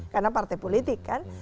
karena partai politik kan